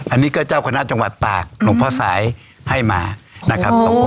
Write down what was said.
อันนี้ก็เจ้าคณะจังหวัดตากหลวงพ่อสายให้มานะครับ